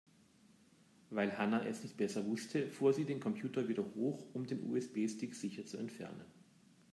Weil Hanna es nicht besser wusste, fuhr sie den Computer wieder hoch, um den USB-Stick sicher zu entfernen.